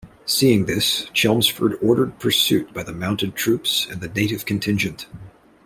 Seeing this, Chelmsford ordered pursuit by the mounted troops and the native contingent.